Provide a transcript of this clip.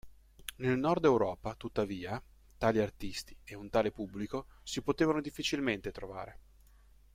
Nel Nord Europa, tuttavia, tali artisti, e un tale pubblico, si potevano difficilmente trovare.